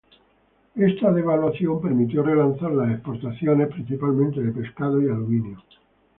Esta devaluación permitió relanzar las exportaciones, principalmente de pescado y aluminio.